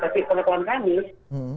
jadi ini sudah berlangsung lama gitu